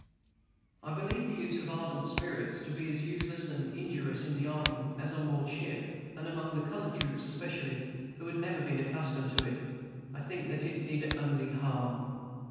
I believe the use of ardent spirits to be as useless and injurious in the army as on board ship, and among the colored troops, especially, who had never been accustomed to it, I think that it did only harm.